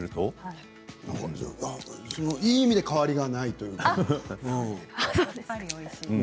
いい意味で変わりがないというか。